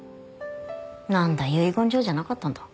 なんだ遺言状じゃなかったんだ。